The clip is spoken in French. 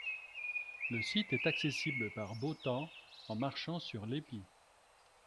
Le site est accessible par beau temps en marchant sur l'épi.